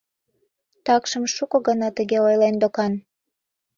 Такшым шуко гана тыге ойлен докан.